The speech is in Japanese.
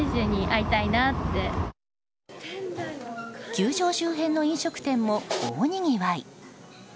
球場周辺の飲食店も大にぎわい。